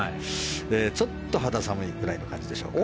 ちょっと肌寒いくらいの感じでしょうか。